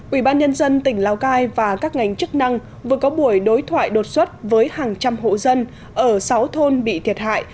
ubnd tỉnh lào cai và các ngành chức năng vừa có buổi đối thoại đột xuất với hàng trăm hộ dân ở sáu thôn bị thiệt hại